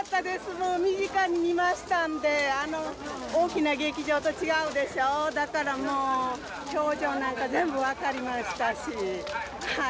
もう身近に見ましたんであの大きな劇場と違うでしょだからもう表情なんか全部分かりましたしはい。